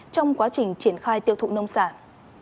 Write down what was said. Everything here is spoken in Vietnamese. trong quá trình triển khai tiêu thụ nông sản